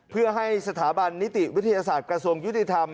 เพื่อให้สถาบันนิติวิทยาศาสตร์กระทรวงยุติธรรม